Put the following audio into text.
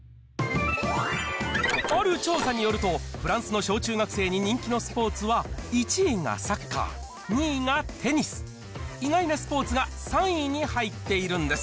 ある調査によると、フランスの小中学生に人気のスポーツは１位がサッカー、２位がテニス、意外なスポーツが３位に入っているんです。